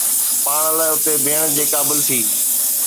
پاڻ لاء اٿي بيهڻ جي قابل ٿي